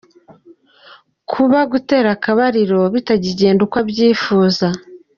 Kuba gutera akabariro bitakigenda uko ubyifuza.